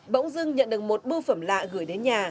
bỗng dưng nhận được một bưu phẩm lạ gửi đến nhà